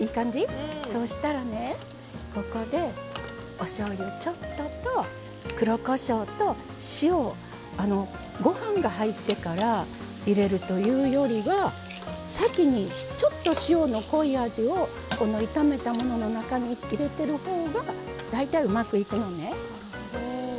そうしたらねおしょうゆをちょっとと黒こしょうと塩をご飯が入ってから入れるというよりは先に、ちょっと塩の濃い味を炒めたものの中に入れていくほうが大体うまくいくのね。